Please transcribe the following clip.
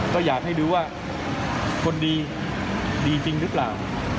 ก็อยากให้ดูว่าคนดีดีจริงหรือเปล่า